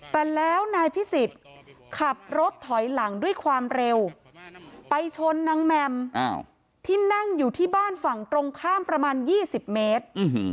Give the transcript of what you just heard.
แต่แล้วนายพิสิทธิ์ขับรถถอยหลังด้วยความเร็วไปชนนางแมมที่นั่งอยู่ที่บ้านฝั่งตรงข้ามประมาณ๒๐เมตร